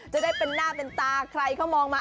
จะได้เป็นหน้าเป็นตาใครเขามองมา